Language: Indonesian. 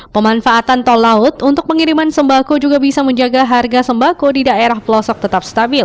pemanfaatan tol laut untuk pengiriman sembako juga bisa menjaga harga sembako di daerah pelosok tetap stabil